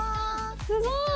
すごい！